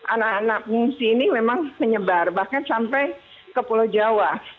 anak anak pengungsi ini memang menyebar bahkan sampai ke pulau jawa